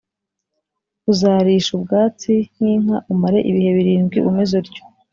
Uzarisha ubwatsi nk inka umare ibihe birindwi umeze utyo